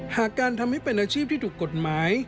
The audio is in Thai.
หากการทำให้เป็นอาชีพที่ถูกกฎหมาย